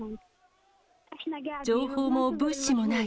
情報も物資もない。